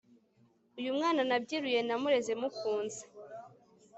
uyu mwana nabyiruye namureze mukunze